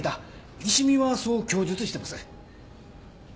西見はそう供述してます。